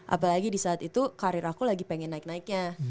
apalagi di saat itu karir aku lagi pengen naik naiknya